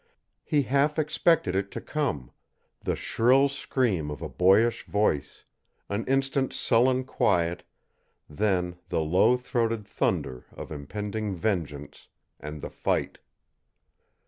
He half expected it to come the shrill scream of a boyish voice, an instant's sullen quiet, then the low throated thunder of impending vengeance and the fight!